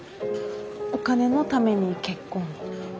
お金のために結婚を？